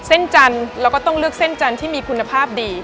เส้นจันทร์เราก็ต้องเลือกเส้นจันทร์ที่มีคุณภาพดี